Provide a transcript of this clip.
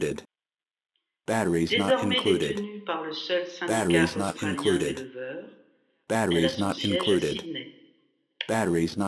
Désormais détenue par le seul syndicat australien d'éleveurs, elle a son siège à Sydney.